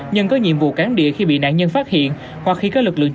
nhưng có nhiều người không có thể trộn tài sản